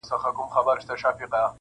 پر وجود باندي مو نه دي ازمېيلي-